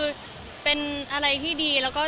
ห้องโตไหมคะห้องโตไหมคะ